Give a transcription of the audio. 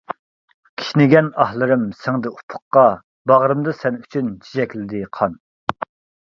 كىشنىگەن ئاھلىرىم سىڭدى ئۇپۇققا، باغرىمدا سەن ئۈچۈن چېچەكلىدى قان.